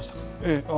ええ。